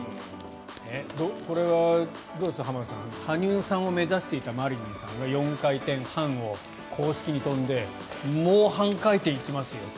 これはどうです浜田さん羽生さんを目指していたマリニンさんが４回転半を公式に跳んでもう半回転行きますよと。